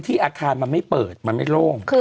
เป็นการกระตุ้นการไหลเวียนของเลือด